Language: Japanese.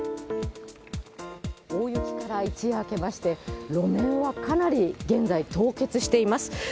大雪から一夜明けまして、路面はかなり現在、凍結しています。